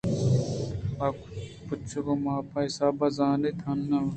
شما کچءُ ماپ ءِحساب ءَ زان اِت ؟ اِناںواجہ